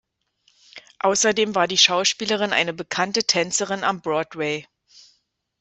Außerdem war die Schauspielerin eine bekannte Tänzerin am Broadway.